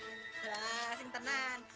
wah senyum tenang